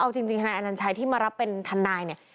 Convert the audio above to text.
เอาจริงทนายอนัญชัยที่มารับเป็นทนายเนี่ย